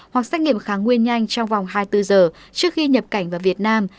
hoặc xét nghiệm kháng nguyên nhanh trong vòng hai mươi bốn giờ trước khi nhập cảnh vào việt nam